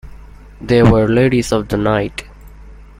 They were ladies of the night.